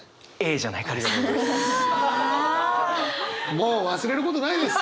もう忘れることないです。